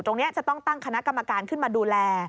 ตรงนี้จะต้องตั้งคณะกรรมการขึ้นมาดูแล